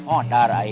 oh darah ini